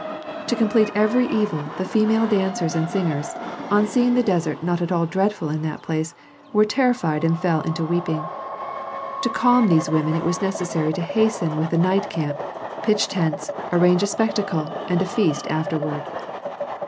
To complete every evil the female dancers and singers, on seeing the desert not at all dreadful in that place, were terrified and fell to weeping. To calm these women it was necessary to hasten with the night camp, pitch tents, arrange a spectacle, and a feast afterward.